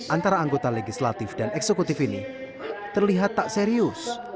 antara anggota legislatif dan eksekutif ini terlihat tak serius